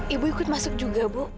ibu ikut masuk juga bu